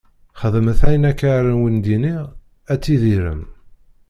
Xedmet ayen akka ara wen-d-iniɣ, ad tidirem.